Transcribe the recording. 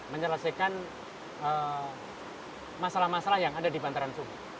menyelesaikan masalah masalah yang ada di bantaran sungai